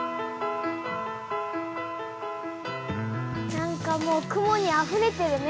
なんかもう雲にあふれてるね。